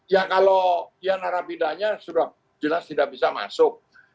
ya kalau narapidanya sudah jelas tidak bisa masuk